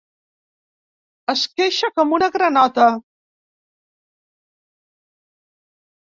Es queixa com una granota.